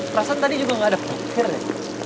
perasaan tadi juga nggak ada petir ya